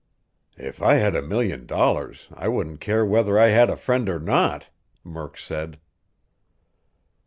"If I had a million dollars I wouldn't care whether I had a friend or not," Murk said.